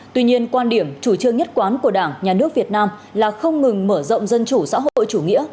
tuy nhiên quan điểm chủ trương nhất quán của đảng nhà nước việt nam là không ngừng mở rộng dân chủ xã hội chủ nghĩa